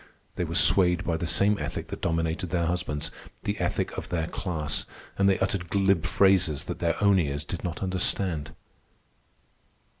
They were swayed by the same ethic that dominated their husbands—the ethic of their class; and they uttered glib phrases that their own ears did not understand.